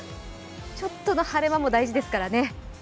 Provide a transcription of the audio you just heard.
ちょっとの晴れ間も大事ですからね。